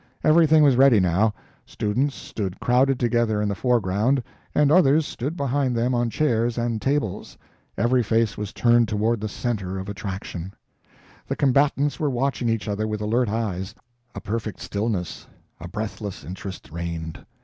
Everything was ready now; students stood crowded together in the foreground, and others stood behind them on chairs and tables. Every face was turned toward the center of attraction. The combatants were watching each other with alert eyes; a perfect stillness, a breathless interest reigned.